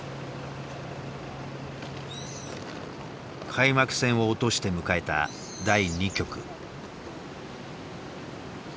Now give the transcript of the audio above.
開幕戦を落として迎えた第２局。